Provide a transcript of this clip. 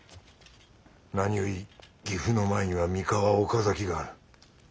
何より岐阜の前には三河・岡崎がある。